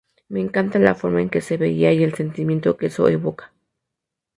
Me encanta la forma en que se veía y el sentimiento que eso evoca.